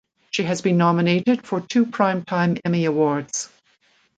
She has been nominated for two Primetime Emmy awards.